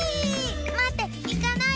まっていかないで。